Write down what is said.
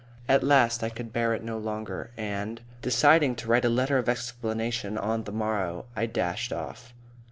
At last I could bear it no longer and, deciding to write a letter of explanation on the morrow, I dashed off.